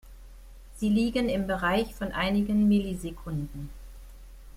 Sie liegen im Bereich von einigen Millisekunden.